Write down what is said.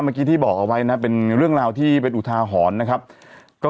เมื่อกี้ที่บอกเอาไว้นะเป็นเรื่องราวที่เป็นอุทาหรณ์นะครับก็